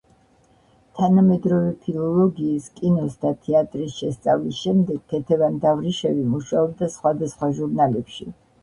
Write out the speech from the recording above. თანამედროვე ფილოლოგიის, კინოს და თეატრის შესწავლის შემდეგ, ქეთევან დავრიშევი მუშაობდა სხვადასხვა ჟურნალებში.